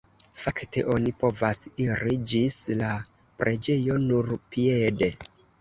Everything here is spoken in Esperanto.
Fakte oni povas iri ĝis la preĝejo nur piede.